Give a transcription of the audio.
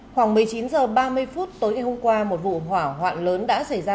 khoảng một mươi chín h ba mươi phút tối ngày hôm qua một vụ hỏa hoạn lớn đã xảy ra